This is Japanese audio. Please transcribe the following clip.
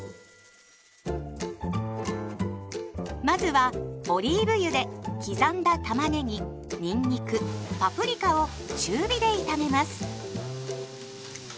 まずはオリーブ油で刻んだたまねぎにんにくパプリカを中火で炒めます。